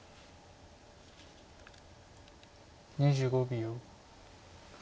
２５秒。